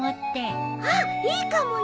あっいいかもね。